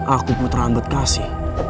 aku putra ametkasi